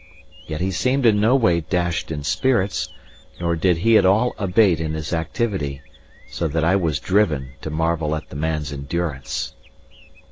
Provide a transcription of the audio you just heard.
Yet he seemed in no way dashed in spirits, nor did he at all abate in his activity, so that I was driven to marvel at the man's endurance.